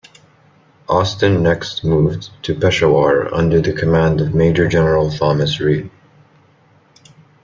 Austen next moved to Peshawar under the command of Major General Thomas Reed.